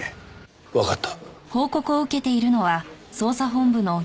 わかった。